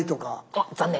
あっ残念。